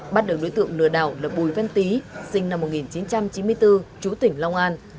bắt được đối tượng lừa đảo là bùi văn tý sinh năm một nghìn chín trăm chín mươi bốn chú tỉnh long an